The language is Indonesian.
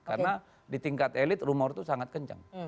karena di tingkat elit rumor itu sangat kencang